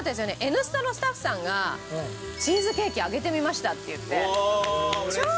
『Ｎスタ』のスタッフさんが「チーズケーキ揚げてみました」っていって超嬉しくない？